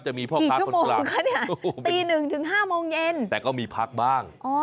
จะมีพ่อค้าคนกลางตีหนึ่งถึง๕โมงเย็นแต่ก็มีพักบ้าง